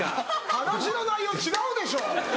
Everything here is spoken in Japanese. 話の内容違うでしょ。